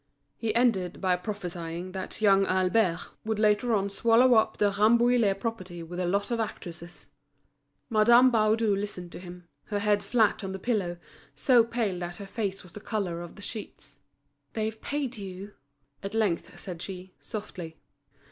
He ended by prophesying that young Albert would later on swallow up the Rambouillet property with a lot of actresses. Madame Baudu listened to him, her head flat on the pillow, so pale that her face was the colour of the sheets. "They've paid you," at length said she, softly.